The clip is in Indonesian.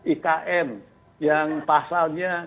ikm yang pasalnya